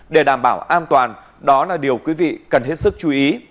để đảm bảo an toàn đó là điều quý vị cần hết sức chú ý